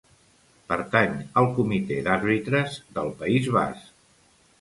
Pertany al Comitè d'Àrbitres del País Basc.